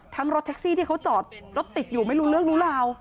รถแท็กซี่ที่เขาจอดรถติดอยู่ไม่รู้เรื่องรู้ราว